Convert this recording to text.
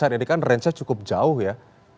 jadi kan rangenya cukup jauh ya